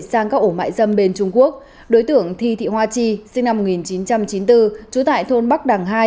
sang các ổ mại dâm bên trung quốc đối tượng thi thị hoa chi sinh năm một nghìn chín trăm chín mươi bốn trú tại thôn bắc đằng hai